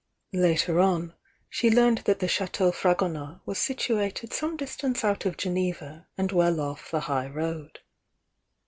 Later on, she learned that the Chateau Fragonard was situated some distance out of Geneva and well off the high road.